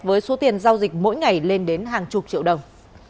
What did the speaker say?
với số tiền giao dịch mỗi ngày lên đến hàng chục triệu đồng